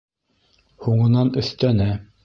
Һуңынан өҫтәне: